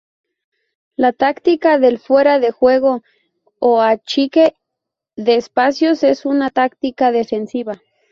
La táctica del fuera de juego, o achique de espacios, es una táctica defensiva.